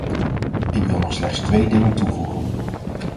Ik wil nog slechts twee dingen toevoegen.